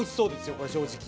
これ正直。